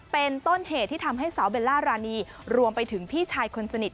เป็นต้นเหตุที่ทำให้สาวเบลล่ารานีรวมไปถึงพี่ชายคนสนิท